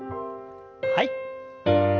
はい。